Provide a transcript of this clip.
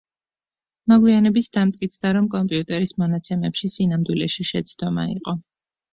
მოგვიანებით დამტკიცდა, რომ კომპიუტერის მონაცემებში სინამდვილეში შეცდომა იყო.